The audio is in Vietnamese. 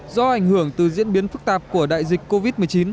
do ảnh hưởng từ diễn biến phức tạp của đại dịch covid một mươi chín